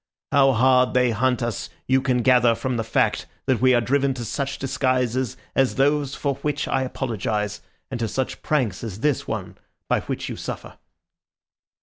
How hard they hunt us you can gather from the fact that we are driven to such disguises as those for which I apologise, and to such pranks as this one by which you suffer."